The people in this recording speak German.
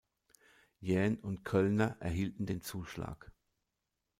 Jähn und Köllner erhielten den Zuschlag.